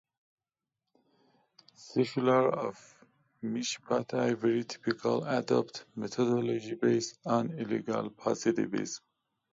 Scholars of "Mishpat Ivri" typically adopt methodologies based on legal positivism.